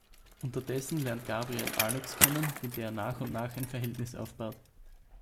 Unterdessen lernt Gabriel Alex kennen, mit der er nach und nach ein Verhältnis aufbaut.